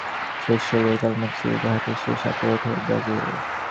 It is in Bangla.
শেষ ষোলোয় কাল মেক্সিকোকে হারিয়ে শেষ আটে ওঠে ব্রাজিল।